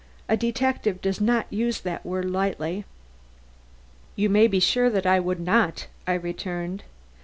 A detective does not use that word lightly." "You may be sure that I would not," I returned.